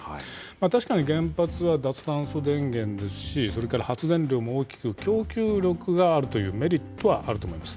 確かに、原発は脱炭素電源ですし、それから発電量も大きく、供給力があるというメリットはあると思います。